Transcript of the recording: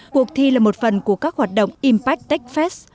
cuộc thi là một phần của các hoạt động impact tech fest